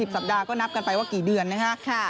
สัปดาห์ก็นับกันไปว่ากี่เดือนนะฮะ